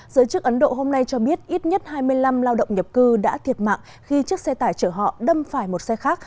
giới chức ấn độ hôm nay cho biết ít nhất hai mươi năm lao động nhập cư đã thiệt mạng khi chiếc xe tải chở họ đâm phải một xe khác